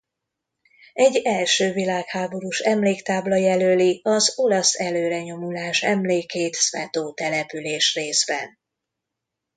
Egy első világháborús emléktábla jelöli az olasz előrenyomulás emlékét Sveto településrészben.